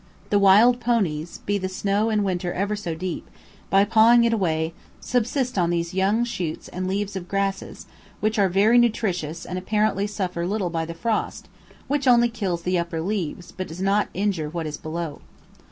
The wild ponies, be the snow in winter ever so deep, by pawing it away, subsist on these young shoots and leaves of grasses, which are very nutritious and apparently suffer little by the frost, which only kills the upper leaves but does not injure what is below.